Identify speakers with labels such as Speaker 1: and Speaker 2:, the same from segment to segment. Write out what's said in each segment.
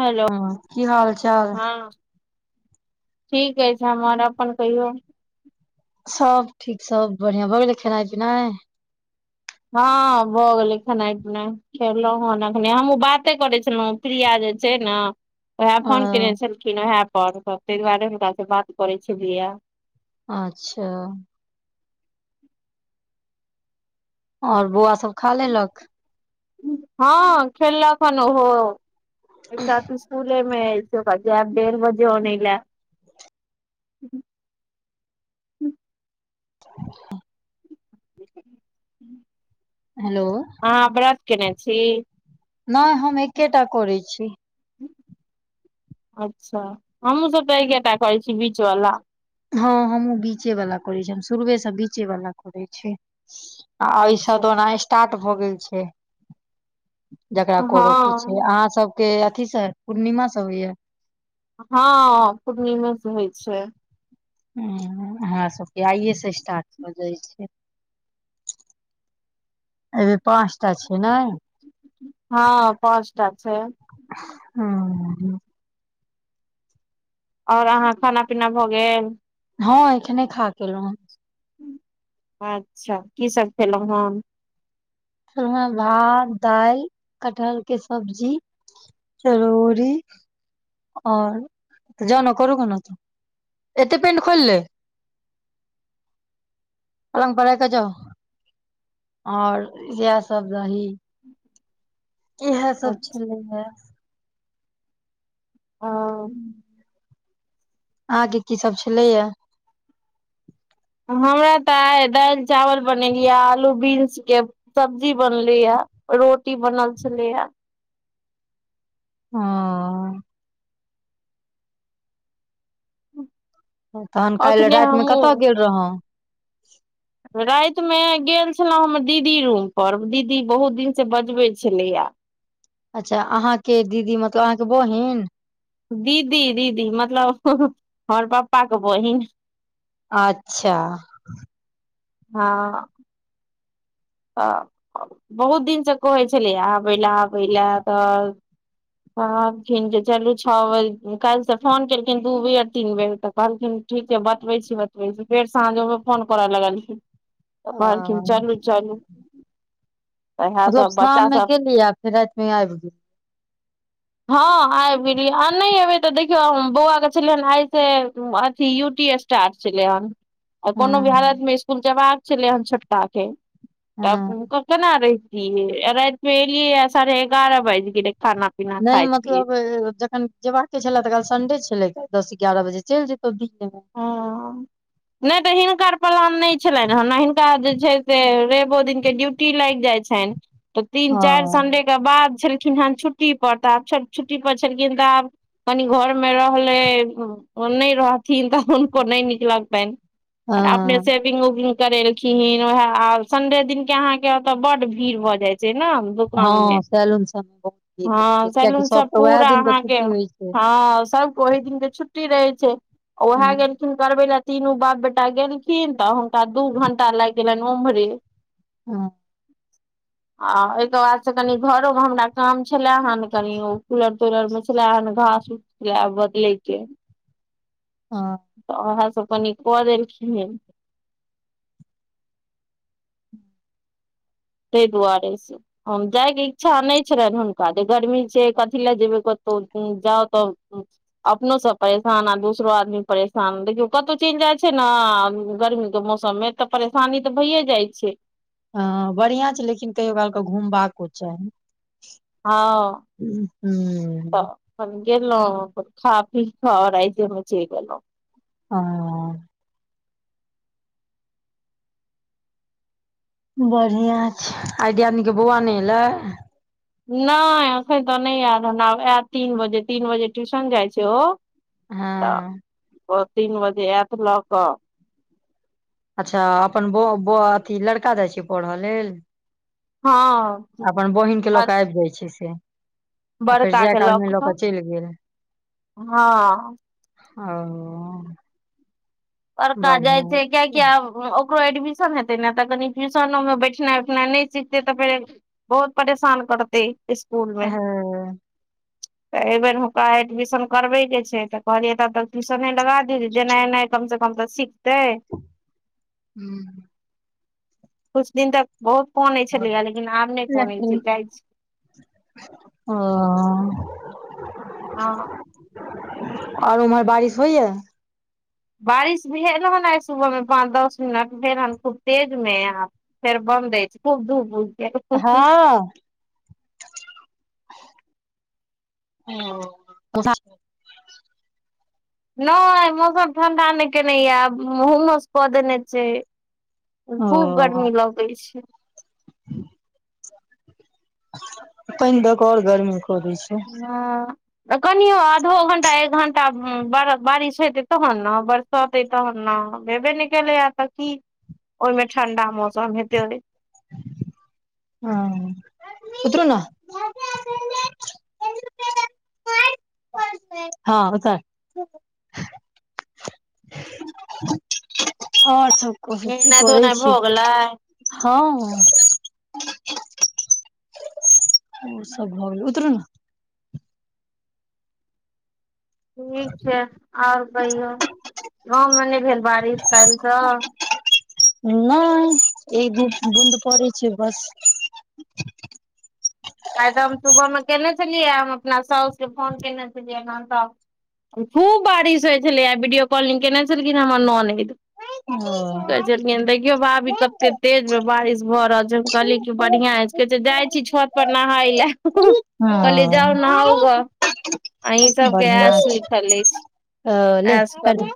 Speaker 1: Hello
Speaker 2: की हाल चाल
Speaker 1: [unintelligible] हँ ठीके अछि हमर। अपन कहियौ?
Speaker 2: सबब ठीक सब बढ़िआँ। भऽ गेलै खेनाय-पिनाय?
Speaker 1: हँ भऽ गेलै खेनाय-पिनाय। खेलहुँ हेन एखने हमहूँ बाते करै छलहुँ प्रिया जे छैय ने। उहे
Speaker 2: अ
Speaker 1: फोन केने छलखिन ओहे पर तहि दुआरे हुनकासँ बात करै छलियै ये।
Speaker 2: अच्छा अऽ आओर बौआ सभ खा लेलक?
Speaker 1: हँ खेलक हें न ओहो एकटा [unintelligible] स्कुलेमे अहि जे बजायब डेढ़ बजे आनय ले।
Speaker 2: [inaudible] हेलो
Speaker 1: हाँ व्रत केने छी?
Speaker 2: नहि हम एकेटा करै छी।
Speaker 1: अच्छऽ हमहुँ सब तऽ एकेटा करै छी बीच वला।
Speaker 2: हँ हमूँ बीचे वाला करै छी हम शुरुए से बीचे वाला करै छी। आ आइसँ
Speaker 1: अच्छा
Speaker 2: तऽ ओना स्टार्ट भऽ गेल छै [unintelligible] जकरा कोरो कि छै
Speaker 1: हँ
Speaker 2: अहाँ सबके अथी से पूर्णिमा स हो या?
Speaker 1: हँ पूर्णिमा से होइ छै।
Speaker 2: ह हमरा सबके आइएसँ स्टार्ट भऽ जाइ छै। अइ बेर पाँच टा छीयै ने?
Speaker 1: हँ पाँचटा छै।
Speaker 2: हँ-हँ
Speaker 1: आओर अहाँ खाना-पीना भऽ गेल?
Speaker 2: हँ एखने खा के एलहुँ हन।
Speaker 1: अच्छा की सब खेलहुँ हेँ न।
Speaker 2: खेलौ हे भात दालि कटहर के सब्जी चरौरी आओर जाउ न करू ग न तऽ एते पेंट खोइल लै। पलंग पर राइखक जाउ [unintelligible] आओर इएह सब रही। इएहे सब छलै हे।
Speaker 1: ह
Speaker 2: आहाँके की सब छलैया?
Speaker 1: हमरा तऽ आइ दालि चावल बनेलियै आलू बन्सके सब्जी बनलैया रोटी बनल छलैया।
Speaker 2: हँ तहन काइल
Speaker 1: अखने
Speaker 2: रातिमे कतऽ
Speaker 1: हमहुँ
Speaker 2: गेल रहौ?
Speaker 1: राति मे गेल छलहुँ हमर दीदी रूम पर दीदी बहुत दिन से बजबै छलैया।
Speaker 2: अच्छा अहाँके दीदी मतलब, अहाँके बहिन।
Speaker 1: दीदी, दीदी मतलब हमर पापा के बहिन।
Speaker 2: अच्छा।
Speaker 1: हँ। तऽ बहुत दिनसँ कहै छलै आबै ले आबै ले तऽ कहलखिन जे चलू छ बजे, काल्हि से फोन केलखिन दू बेर तीन बेर तऽ कहलखिन ठीक है बतबै छी बतबै छी फेर साँझोमे फोन करऽ लगलखिन तऽ
Speaker 2: ओ
Speaker 1: कहलखिन चलू चलू, तऽ इएह
Speaker 2: मतलब
Speaker 1: सब
Speaker 2: शाम
Speaker 1: बच्चा
Speaker 2: मे
Speaker 1: सब
Speaker 2: गेलियै आ फेर राति में आबि गेल।
Speaker 1: हँ आबि गेलियै आ नहि एबे तऽ देखियौ बौआ के छलै हन आइ से अथि यूटीएस स्टार्ट छलै हन आ कोनो भी
Speaker 2: हँ
Speaker 1: हालत मे इसकुल जेबाक छलै हन छोटका के, तऽ
Speaker 2: हँ
Speaker 1: केना रहितै तियै आ रातिमे एलियैए साढ़े एगारह बाजि गेलै खाना पीना
Speaker 2: नहि
Speaker 1: खाइत
Speaker 2: मतलब जखन जेबाक के छलै तखन काल्हि संडे छलै काल्हि दस एगारह बजे चलि जेतौ दिने मे
Speaker 1: नहि तऽ हिनकर प्लान नहि छलनि हेँ ने हिनका जे छै से रैबो दिन के ड्यूटी लागि जाइ छनि तऽ तीन चाइर
Speaker 2: ह
Speaker 1: संडे ओहि के बाद छलखिन हेन छुट्टी पर तऽ आब छुट्टी पर छलखिन तऽ आब कनी घर मे रहलैओ नहि रह थिन तऽ हुनको नहि नीक लगतनि अपने
Speaker 2: हँ
Speaker 1: से पिंग उपिंग करेलखिन वैह आब संडे दिन के अहाँ के ओतऽ बड भीड़ भऽ जाय छै ने दुकान मे,
Speaker 2: हँ सैलून सब मे बहुत भीड़ रहै छै
Speaker 1: हँ
Speaker 2: कियाकि
Speaker 1: सैलून सब
Speaker 2: सबके उएह
Speaker 1: पूरा
Speaker 2: दिन के
Speaker 1: अहाँके
Speaker 2: छुट्टी होइ छै
Speaker 1: हँ, सबके ओही दिन के छुट्टी रहे छै, वैह
Speaker 2: ह
Speaker 1: गेलखिन करबै लै तीनू बाप बेटा गेलखिन तऽ हुनका दू घंटा लागि गेलनि ओम्हरे।
Speaker 2: हां।
Speaker 1: आ ओहिके बाद से कनि घरोमे हमरा काम छलै हन कनि ओ कूलर कुलर मे छलै हन घास से आब बदले के
Speaker 2: हं।
Speaker 1: तऽ वैह सब कनि कऽ देलखिन तै दुआरे जाइके इच्छा नहि छलनि हुनका जे गर्मी छै कथि ले जेबै कतहु जाउ तऽ अपनो सब परेशान आ दोसरो आदमी परेशान देखियौ कतहु चलि जाइ छै ने गर्मी के मौसम सबमे तऽ परेशानी तऽ भइए जाइ छै।
Speaker 2: हँ बढ़ियां छै लेकिन कहियो कालके घुमबाको चाही।
Speaker 1: हँ,
Speaker 2: ह
Speaker 1: त। अपन गेलहुं, अपन खा पी के रातिये मे चलि एलहुं।
Speaker 2: हं। बढ़ियां छै, आइ दियादनी के बौआ नहि एलै।
Speaker 1: नहि एखन तऽ नहि आयत हमरा आ आयत तीन बजे, तीन बजे ट्यूशन जाइ छै ओ
Speaker 2: हँ।
Speaker 1: ओ तीन बजे आयत लऽ कऽ
Speaker 2: अच्छा अपन ब अथि लड़का जाइ छै पढ़ऽ लेल
Speaker 1: हँ
Speaker 2: अपन बहिनक के लऽ कऽ आबि जाइ छै से। आ फेर जाय काल मे लऽ कऽ चलि गेल।
Speaker 1: हँ
Speaker 2: ओ।
Speaker 1: बड़का जाइ छै कियैकि आब ओकरो एडमिशन हेतै ने तऽ कनि ट्यूशनोमे बैठनाइ उठनाइ नहि सिखतै तऽ फेर बहुत परेशान करतै इस्कुल मे
Speaker 2: हँ, [inaudible]
Speaker 1: तऽ एहि बेेर हुनका एडमिशन करबे के छै तऽ कहलियै तब तक ट्यूशने लगा दीयौ जे जेनाइ एनाइ कम स कम तऽ सीखतै।
Speaker 2: हूं
Speaker 1: कुछ दिन तक बहुत कऽनै छलैए लेकिन आब नहि कऽनैइ छै जाइ छै।
Speaker 2: ओऽ
Speaker 1: हँ
Speaker 2: आओर उम्हर बारिश होइयै?
Speaker 1: बारिश भेल हन आइ सुबहमे पाँच दस मिनट भेल हन खूब तेजमे यहाँ फेर बन्द ऐछ खूब धूप उगि गेल।
Speaker 2: हँ ओ [unintelligible]
Speaker 1: नहि मौसम ठंडा नहि केने यै ब हूम्मस कऽ देने छै। खूब
Speaker 2: ओ
Speaker 1: गर्मी लगै छै।
Speaker 2: [inaudible] पानि दऽ कऽ आओर गर्मी कऽ दै छै।
Speaker 1: हॅं कनियो आधो घंटा एक घंटा बार बारिश हेतै तहन न बर सते तहन न भेबे नहि केलैयै तऽ की ओहिमे ठंडा मौसम हेतै
Speaker 2: हँ उतरू न [unintelligible] हँ उतर आओर सब कहै, की
Speaker 1: नहेनाइ
Speaker 2: करै
Speaker 1: धोनाइ भऽ
Speaker 2: छी?
Speaker 1: गेलै
Speaker 2: हँ ओ सब भ गेलै उतरु न
Speaker 1: ठीक छै आओर कहियौ गाँवमे नहि भेल बारिश काइलस?
Speaker 2: नहि एक दू बुन्द पड़ै छै बस
Speaker 1: आइ तऽ हम सुबह मे केने छलियै हम अपना सााउस के फोन केने छलियै है तहन त खूब बारिश होइै छलैयै, बीडियो कॉलिंग केने छलखिन हैं हमर ननैद
Speaker 2: ओ
Speaker 1: केलखिन देखियो भाभी कत्ते तेज मे बारिश भऽ रहल छै हम कहलीयै कि
Speaker 2: हँ
Speaker 1: बढ़िया अइछ कहैछै जाय छी छत पर नहाई लै ह हह कहलियई जाऊ नहाऊग। अहीं सबके
Speaker 2: बढ़िआँ
Speaker 1: एश
Speaker 2: छै
Speaker 1: लिखल अछि
Speaker 2: ओ ले
Speaker 1: एश करू।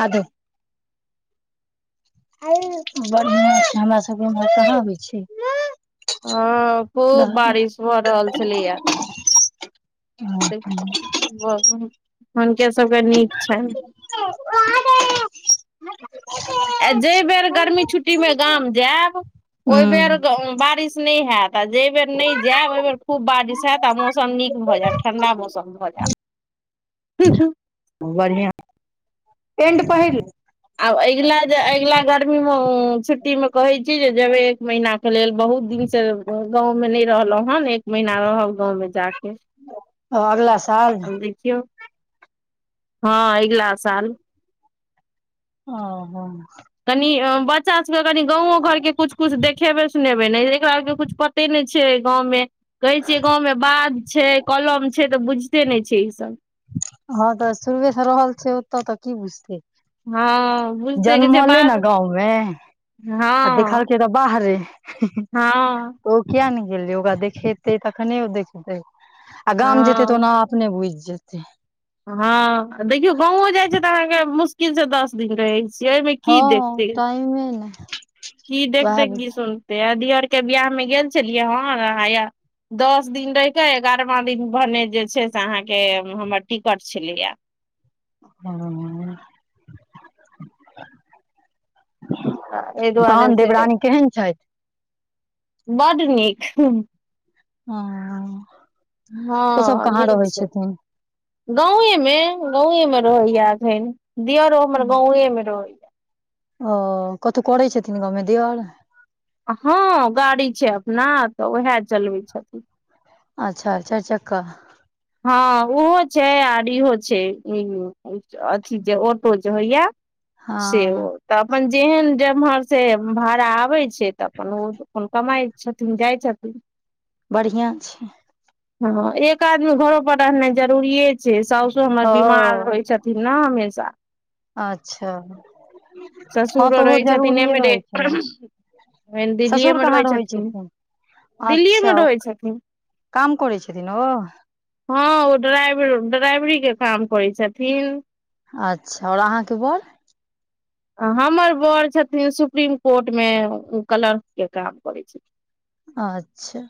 Speaker 2: हाथ धो आ बढ़िआं छै हमरा सबके इमहर कहां होइ छै।
Speaker 1: हँ खूब
Speaker 2: रह दे
Speaker 1: बारिश भऽ रहल छलैयै।
Speaker 2: हुँ
Speaker 1: [unintelligible] हुनके सभके नीक छैनि।
Speaker 2: [unintelligible]
Speaker 1: आ जाहि बेर गर्मी छुट्टीमे गाम जैब ओहिबेर गओ बारिश नहि हैत। आ जै ब बेर नहि जायब ओहि बेर खूब बारिश हैत आ मौसम नीक भऽ जैत ठंडा मौसम भऽ जैत। हू हूँ
Speaker 2: बढ़िआँ पेंट पहिरले।
Speaker 1: आब अगिला जे अगिला गर्मीमे छुटीमे कहै की जे जेबै एक महीना के लेल बहुत दिन से गाँव में नहि रहलहु हन एक महिना रहब गाँव मे जा के।
Speaker 2: ओ अगला साल।
Speaker 1: यो हँ अगिला साल।
Speaker 2: ओ हॅं।
Speaker 1: कनि अ बच्चा सबके कनि गाँवो घर के कुछ- कुछ देखेबै - सुनेबै ने एकरा आर के कुछ पते नै छै गाँव मे कहै छियै गाँव मे बाध छै कलम छै तऽ बुझिते नै छै ई सब।
Speaker 2: हँ तऽ शुरुवे सँ रहल छै ओतऽ त की बुझतै।
Speaker 1: हँ। बुझते के छै
Speaker 2: जनमलैय ने
Speaker 1: बाध
Speaker 2: गाँव मे आ
Speaker 1: हँ
Speaker 2: देखलकै तऽ बाहरे।
Speaker 1: हँ।
Speaker 2: तऽ ओ किया ने गेलै ओकरा देखेतै तखने ओ देखतै आ गाम जेतै त
Speaker 1: हँ
Speaker 2: ओना आब अपने बुइझ जेतै।
Speaker 1: हँ देखियौ गाँंवो जाइ छै तऽ अहाँके मुश्किल से दस दिन रहै छै। छियै अइमे की देखतै।
Speaker 2: अइमे ने।
Speaker 1: की
Speaker 2: वएह
Speaker 1: देखतै की सुनतै आ दीयर के बियाह मे गेल छलियै हन आ हैया दस दिन रहि के एगारवां दिन भने जे छै से अहाँके हमर टिकट छलैये।
Speaker 2: हॅं अ।
Speaker 1: तऽ एहि दुआरे
Speaker 2: तहन
Speaker 1: से
Speaker 2: देवरानी केहेन छइथ?
Speaker 1: बड्ड नीक।
Speaker 2: हॅं अ ओ सब कहाँ रहै छथिन?
Speaker 1: गांवे मे गांवे मे रहैये अखैन दीयरो हमर गांवे मे रहैये।
Speaker 2: ओ कथु करै छथिन गाँव मे दीयर?
Speaker 1: हँ गाड़ी छै अपना तऽ उहेए चलबै छथिन।
Speaker 2: अच्छा चारिचक्का।
Speaker 1: हँ ओहो छै आर इहो छै अथी जे ऑटो जे होइये। से
Speaker 2: हँ
Speaker 1: ओ। तऽ अपन जेहेन जेम्हर से भाड़ा आबै छै तऽ अपन ओ अपन कमाइ छथिन जाइ छथिन।
Speaker 2: बढ़ियां छै।
Speaker 1: हँ एक आदमी घरो पर रहनाइ जरूरिेये छै साउसो हमर बीमार
Speaker 2: ओ
Speaker 1: होइ छथि न हमेशा।
Speaker 2: अच्छा। हँ
Speaker 1: ससुरो
Speaker 2: तऽ ओहो
Speaker 1: रहय छथिन
Speaker 2: जरूरिए
Speaker 1: एम्हरे।
Speaker 2: रहै छै ने
Speaker 1: ओ न दिल्लीए
Speaker 2: ससुर
Speaker 1: मे
Speaker 2: कहाँ
Speaker 1: रहय
Speaker 2: रहै
Speaker 1: छथिन दिल्लीए मे
Speaker 2: अच्छा ओ
Speaker 1: रहय छथिन।
Speaker 2: काम करै छथिन ओ?
Speaker 1: हँ ओ ड्राइवर- ड्राइवरी के काम करै छथिन।
Speaker 2: अच्छा आओर अहाँके बड़?
Speaker 1: हमर बड़ छथिन सुप्रीम कोर्ट मे ए कलर्क के काम करै छथिन।
Speaker 2: अच्छा।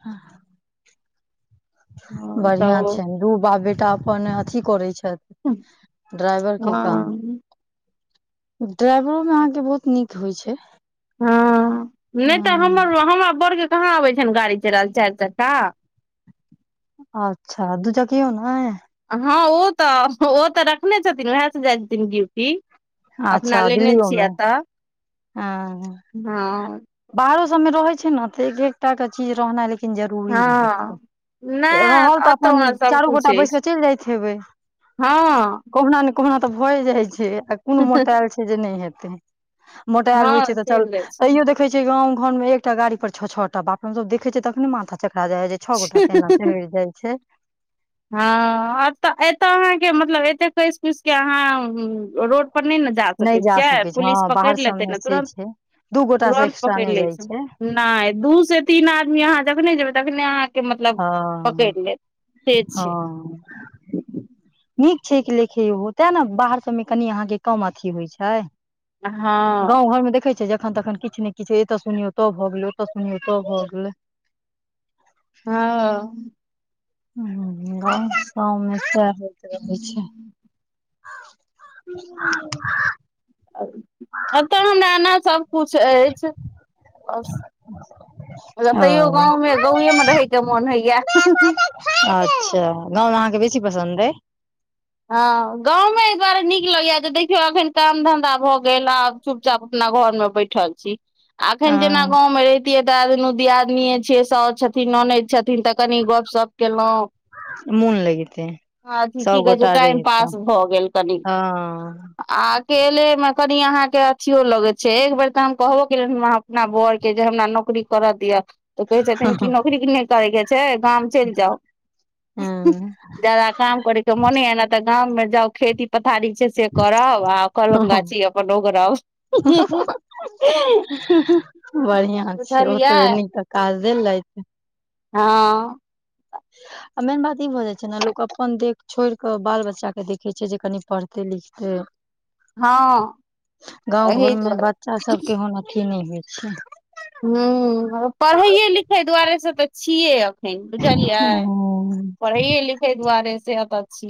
Speaker 1: हँ
Speaker 2: बढ़ियां
Speaker 1: तऽ
Speaker 2: छनि दू बाप बेटा अपन अथी करै छथि। ड्राइवर के काम।
Speaker 1: हँ
Speaker 2: ड्राइवरो मे अहाँके बहुत नीक होइ छै।
Speaker 1: हँ अ नै
Speaker 2: ह
Speaker 1: तऽ हमर - हमरा बड़के कहाँ अबै छनि गाड़ी चलेएल चारि चक्का।
Speaker 2: अच्छा दूचकियो नहि?
Speaker 1: हँ ओ तऽ ओ तऽ रखने छथिन उएह से जाइ छथिन ड्यूटी। अपना
Speaker 2: अच्छा
Speaker 1: लेने
Speaker 2: दिल्लियो
Speaker 1: छिय
Speaker 2: मे
Speaker 1: एतऽ
Speaker 2: ह बाहरो सबमे रहे छै ने तऽ एक एकटा के चीज रहनाइ ल लेकिन जरूरी रहै
Speaker 1: हँ
Speaker 2: छै रहल
Speaker 1: नहि
Speaker 2: तऽ
Speaker 1: एतऽ
Speaker 2: अपन
Speaker 1: हमरा
Speaker 2: चारू
Speaker 1: सभकिछु
Speaker 2: गोटा बैस
Speaker 1: अछि
Speaker 2: कऽ चलि जाइत हेबै।
Speaker 1: हँ
Speaker 2: कहुना ने कहुना तऽ भए जाइ छै आ कोनो मोटायल छै जे नहि हेतै। मोटाल होइ छै
Speaker 1: हँ
Speaker 2: तऽ चल
Speaker 1: चलि जाइ छी
Speaker 2: तैयो देख देखे छै गाँव घरमें एकटा गाड़ी पर छ छ टा बाप रे बा हमसब देखे छै तखने माथा चकरा जाइ यै। छ गोटा केना चलि जाइ छै।
Speaker 1: हऽ एतऽ अहाँके मतलब एते कस कुस के अहाँ रोड पर नहि ने जा
Speaker 2: नहि
Speaker 1: सकै छियै
Speaker 2: छै हँ
Speaker 1: पुलिस पकड़ि
Speaker 2: बाहर सब
Speaker 1: लेतै
Speaker 2: मे
Speaker 1: ने
Speaker 2: से
Speaker 1: तुरन्त।
Speaker 2: छै दू गोटा से
Speaker 1: तुरंत
Speaker 2: एक्स्ट्रा
Speaker 1: पकड़
Speaker 2: नहि
Speaker 1: ले
Speaker 2: जाइ
Speaker 1: छै नहि दू से तीन आदमी अहाँ जखने जेबै तखने अहाँके मतलब
Speaker 2: हँ
Speaker 1: पकड़ि लेत। से
Speaker 2: हँ
Speaker 1: छै
Speaker 2: नीक छै एक लेखे ओ तैं ने बाहर सभमे कनि अहाँके कम अथी होइ छै।
Speaker 1: हँ
Speaker 2: गाँं घर मे देखै छै जे एखन तखन किछु ने किछ छै एतय सुनियो तब भऽ गेले ओतय सुनियो तब भऽ गेले।
Speaker 1: हँ
Speaker 2: गाँव सबमे सएह होइत रहै छै। [unintelligible]
Speaker 1: एतऽ हमरा एना सबकिछु अछि। बस मतलब तैयो गाँवमे गाँवएमे
Speaker 2: ओ
Speaker 1: रहयके मोन होइए हँ-हँ-हँ
Speaker 2: [unintelligible] अच्छा गाँंवमे अहाँके बेसी पसन्द अइ।
Speaker 1: हँ गाँवमे एहि दुआरे नीक लगैया जे देखियौ अखन काम धन्धा भऽ गेल आब। चुपचाप अपना घर में बैठल छी। अखन जेना
Speaker 2: हँ
Speaker 1: गाँव में रहितियै तऽ दुनू दियादनीये छियै साउस छथिन ननद छथिन तऽ कनी गपशप केलहुँं
Speaker 2: मोन लगिते
Speaker 1: [unintelligible] अथी
Speaker 2: सब
Speaker 1: की कहै छै।
Speaker 2: गोटा
Speaker 1: टाइम
Speaker 2: रहितौं
Speaker 1: पास भऽ गेल कनि।
Speaker 2: हँ
Speaker 1: आ अकेले मे कनि अहाँ के अथियो लगे छै एक बेर तऽ हम कहबो केलिये वहाँ अपना बरके जे हमरा नौकरी करऽ दिअ तऽ कहै छथिन कि नौकरी नहि करयके छै गाम चलि जाउ हँ-हँ
Speaker 2: हँ
Speaker 1: जादा काम करयके मोन हय ने तऽ गाममे जाउ खेती पथारी छै से करब आ कलम गाछी अपन ओगरब हँ-हँ-हँ
Speaker 2: हँ-हँ बढ़िआं छै ओ
Speaker 1: बुझलियै
Speaker 2: तऽ निक तऽ काज देलैत।
Speaker 1: हँ
Speaker 2: ह आओ मेन बात ई भऽ जाइ छै ने लोक अपन देख छोड़िकऽ बाल बच्चाके देखै छै जे कनि पढ़तै लिखतै।
Speaker 1: हँ
Speaker 2: [unintelligible] गाँव
Speaker 1: एहि
Speaker 2: घरमे
Speaker 1: दुआरे
Speaker 2: बच्चा सबके होना की नहि होइ छै [unintelligible]
Speaker 1: हँ पढ़ैए लिखै दुआरे से तऽ छियै। [unintelligible] बुझलियै
Speaker 2: छै
Speaker 1: पढ़ेए लिखे दुआरे से एत छी।